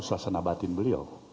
suasana batin beliau